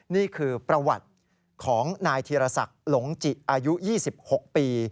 นี่คือประวัติของนายธีรศักดิ์หลงจิอายุ๒๖ปี